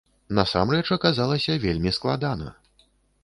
Насамрэч, аказалася вельмі складана.